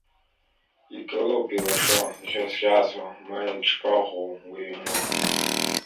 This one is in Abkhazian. Игылоуп илашо, иӷьазӷьазуа, ма иагьшԥаӷәӷәоу уи аҩны!